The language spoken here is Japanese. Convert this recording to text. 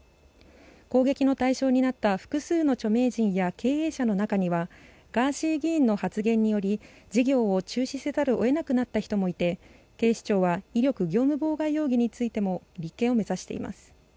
攻撃の対象になった複数の著名人や経営者の中にはガーシー議員の発言により事業を中止せざるをえなくなった人もいて警視庁は威力業務妨害容疑についても立件を目指しています。